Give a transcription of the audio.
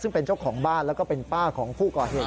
ซึ่งเป็นเจ้าของบ้านแล้วก็เป็นป้าของผู้ก่อเหตุ